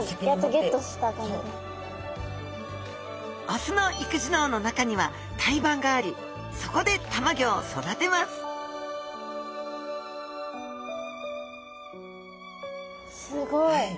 雄の育児のうの中には胎盤がありそこで卵を育てますすごい。